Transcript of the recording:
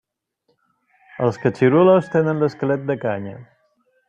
Els catxirulos tenen l'esquelet de canya.